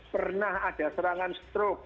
pernah ada serangan struk